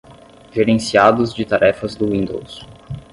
Gerenciados de tarefas do Windows.